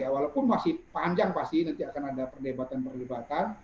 walaupun masih panjang pasti nanti akan ada perdebatan perdebatan